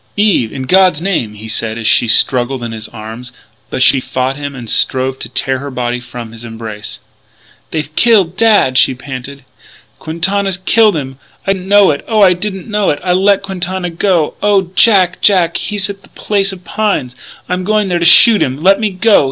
"Eve! In God's name! " he said as she struggled in his arms; but she fought him and strove to tear her body from his embrace: "They've killed Dad!" she panted, "Quintana killed him. I didn't know oh, I didn't know! and I let Quintana go! Oh, Jack, Jack, he's at the Place of Pines! I'm going there to shoot him! Let me go!